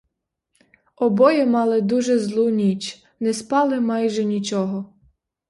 Обоє мали дуже злу ніч, не спали майже нічого.